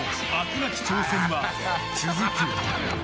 なき挑戦は続く。